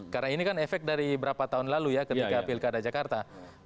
karena ini kan efek dari berapa tahun lalu ya ketika pilkada jakarta